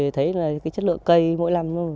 thấy là chất lượng cây mỗi năm